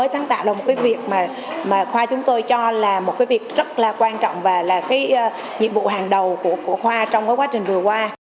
sáng tạo là một cái việc mà khoa chúng tôi cho là một cái việc rất là quan trọng và là cái nhiệm vụ hàng đầu của khoa trong cái quá trình vừa qua